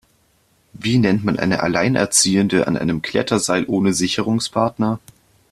Wie nennt man eine Alleinerziehende an einem Kletterseil ohne Sicherungspartner?